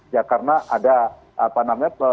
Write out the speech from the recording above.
ya karena ada apa namanya